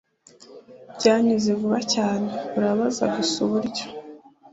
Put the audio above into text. byanyuze vuba cyane, urabaza gusa uburyo